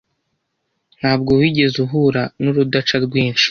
Ntabwo wigeze uhura nurudaca rwinshi